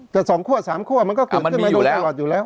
แต่๒คั่ว๓คั่วมันก็เกิดขึ้นมาโดยตลอดอยู่แล้ว